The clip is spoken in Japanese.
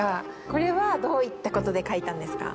これはどういったことで書いたんですか？